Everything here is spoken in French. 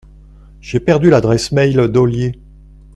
J’ai perdu l’adresse mail d’Olier.